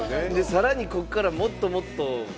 さらにここからもっともっと。